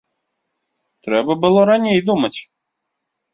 Трэба было раней думаць.